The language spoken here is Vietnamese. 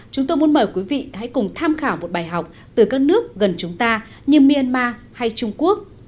chúng tôi muốn mời quý vị hãy cùng tham khảo một bài học từ các nước gần chúng ta như myanmar hay trung quốc